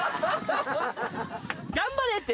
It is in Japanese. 頑張れって。